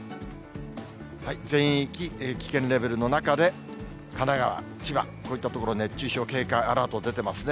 全域、危険レベルの中で、神奈川、千葉、こういった所、熱中症警戒アラート出てますね。